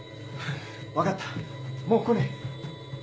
わかったもう来ねえ。